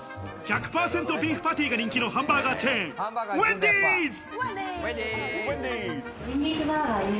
１００％ビーフパティが人気のハンバーガーチェーン・ウェンディーズ。